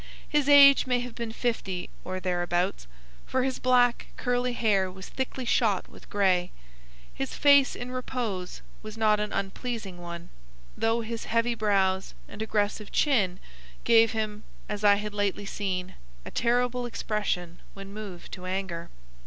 His age may have been fifty or thereabouts, for his black, curly hair was thickly shot with grey. His face in repose was not an unpleasing one, though his heavy brows and aggressive chin gave him, as I had lately seen, a terrible expression when moved to anger.